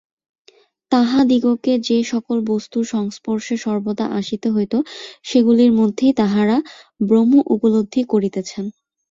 তাঁহাদিগকে যে-সকল বস্তুর সংস্পর্শে সর্বদা আসিতে হইত, সেগুলির মধ্যেই তাঁহারা ব্রহ্ম উপলব্ধি করিতেছেন।